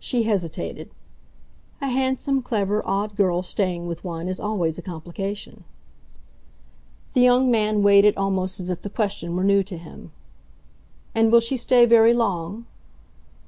She hesitated. "A handsome, clever, odd girl staying with one is always a complication." The young man weighed it almost as if the question were new to him. "And will she stay very long?"